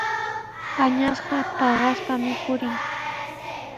Añasqa paqaspami purin.